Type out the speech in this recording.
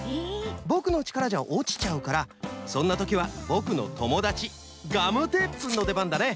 ぼくのちからじゃおちちゃうからそんなときはぼくのともだちガムテープくんのでばんだね！